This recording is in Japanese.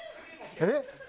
えっ？